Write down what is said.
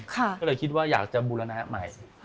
ก็เลยคิดว่าอยากจะบูรณะใหม่